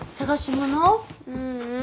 ううん。